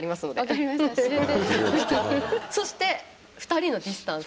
そして「ふたりのディスタンス」。